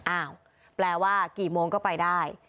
อ้าวแปลว่ากี่โมงก็ไปได้